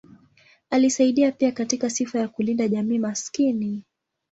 Alisaidia pia katika sifa ya kulinda jamii maskini.